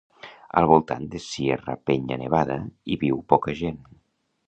Al voltant de Sierra Peña Nevada hi viu poca gent.